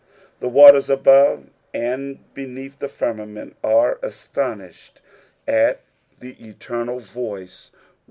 The waters above and beneath the firmament ore astonished at the eternal voice.